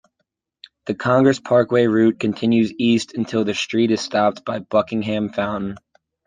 The Congress Parkway route continues east until the street is stopped by Buckingham Fountain.